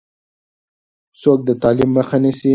څوک د تعلیم مخه نیسي؟